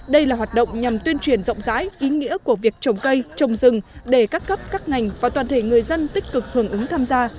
đây là hoạt động nhằm tuyên truyền rộng rãi ý nghĩa của việc trồng cây trồng rừng để các cấp các ngành và toàn thể người dân tích cực hưởng ứng tham gia